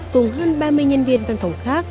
cùng hơn ba mươi nhân viên văn phòng khác